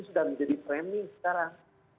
sudah menjadi premis sekarang